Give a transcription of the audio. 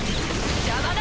邪魔だ。